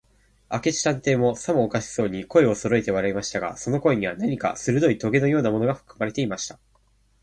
明智探偵も、さもおかしそうに、声をそろえて笑いましたが、その声には、何かするどいとげのようなものがふくまれていました。